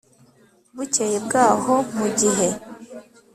bukeye bwaho mu gihe